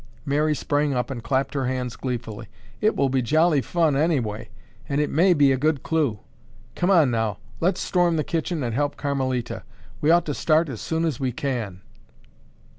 Mary sprang up and clapped her hands gleefully. "It will be jolly fun anyway. And it may be a good clue. Come on now, let's storm the kitchen and help Carmelita. We ought to start as soon as we can."